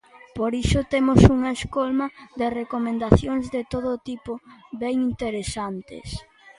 Por iso temos unha escolma de recomendacións de todo tipo ben interesantes.